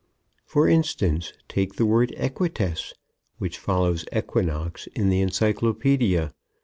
For instance, take the word "equites," which follows "equinox" in the encyclopedia.